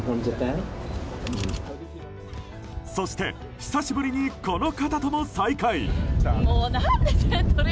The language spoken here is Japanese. そして、久しぶりにこの方とも再会。